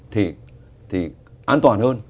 thì an toàn hơn